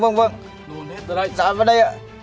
dạ vâng đây ạ